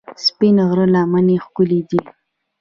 سپین غر لمنې ښکلې دي؟